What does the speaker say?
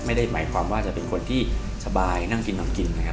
ไม่ได้หมายความว่าจะเป็นคนที่สบายนั่งกินทำกินนะครับ